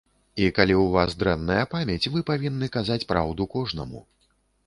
І калі ў вас дрэнная памяць, вы павінны казаць праўду кожнаму.